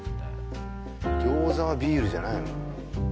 餃子はビールじゃないの？